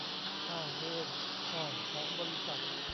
อ่าวเวร อ่อของบริษัท